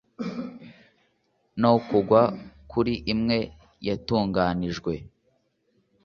no kugwa kuri imwe yatunganijwe